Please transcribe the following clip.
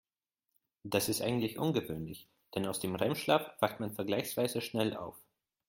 Das ist eigentlich ungewöhnlich, denn aus dem REM-Schlaf wacht man vergleichsweise schnell auf.